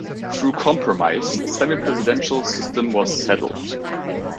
Through compromise, a semi-presidential system was settled.